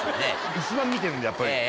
一番見てるんでやっぱり。